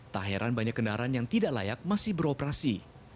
tak heran banyak kendaraan yang tidak layak masih beroperasi